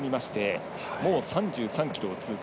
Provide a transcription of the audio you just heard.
もう３３ｋｍ通過。